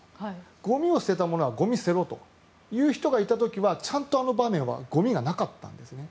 ゴミを捨てた者はゴミを捨てろと言う人がいた時はちゃんとあの場面はゴミがなかったんですね。